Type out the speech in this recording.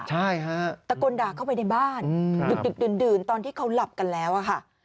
ใช่ฮะตะโกนด่าเข้าไปในบ้านดึกดื่นตอนที่เขาหลับกันแล้วอะค่ะ